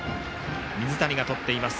水谷がとっています。